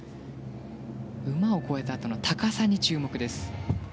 馬を越えたあとの高さにも注目です。